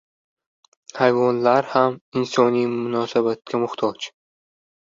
Hayvonlar ham insoniy munosabatga muhtoj.